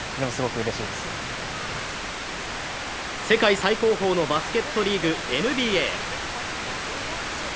世界最高峰のバスケットリーグ・ＮＢＡ。